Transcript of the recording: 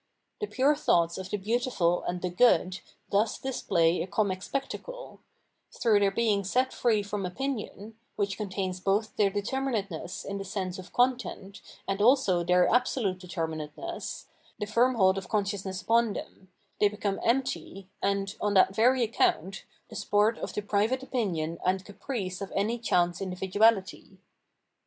The pure thoughts of the Beautiful and the Good thus display a coroic spectacle :— through their being set free from opinion, which contains both their determinateness in the sense of content and also their absolute determinateness, the firm hold of con sciousness upon them, they become empty, and, on that very account, the sport of the private opinion and caprice of any chance individuahty.